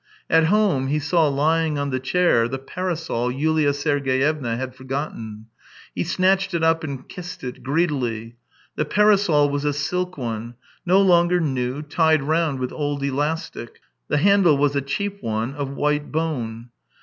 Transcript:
At home he saw lying on the chair the parasol Yulia Sergeyevna had forgotten; he snatched it up and kissed it greedily. The parasol was a silk one, no longer new. tied round with old elastic. The handle was a cheap one, of white bone.